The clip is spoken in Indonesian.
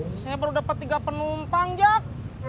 sebenernya baru dapet tiga penumpang jak